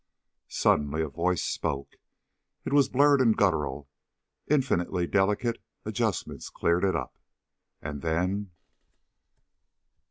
Suddenly a voice spoke. It was blurred and guttural. Infinitely delicate adjustments cleared it up. And then....